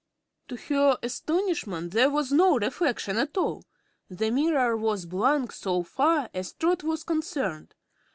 To her astonishment there was no reflection at all; the mirror was blank so far as Trot was concerned.